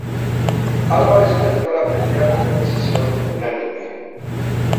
Alvarez perdió la pelea por decisión unánime.